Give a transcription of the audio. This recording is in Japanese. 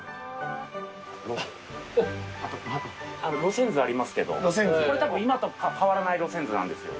あの路線図ありますけどこれたぶん今と変わらない路線図なんですよ。